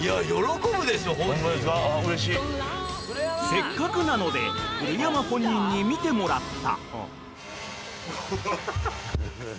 ［せっかくなので古山本人に見てもらった］